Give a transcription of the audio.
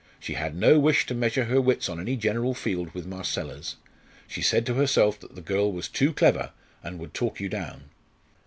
She had no wish to measure her wits on any general field with Marcella's. She said to herself that the girl was too clever and would talk you down.